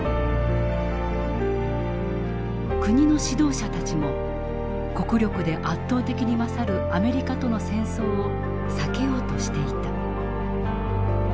国の指導者たちも国力で圧倒的に勝るアメリカとの戦争を避けようとしていた。